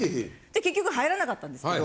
結局入らなかったんですけど。